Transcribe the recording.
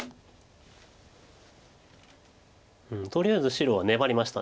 とりあえず白は粘りました。